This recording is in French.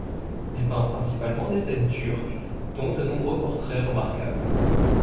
Il peint principalement des scènes turques, dont de nombreux portraits remarquables.